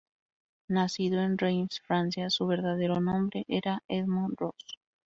Nacido en Reims, Francia, su verdadero nombre era Edmond Roos.